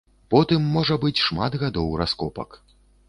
Потым можа быць шмат гадоў раскопак.